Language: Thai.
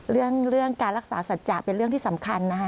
เรื่องการรักษาสัจจะเป็นเรื่องที่สำคัญนะคะ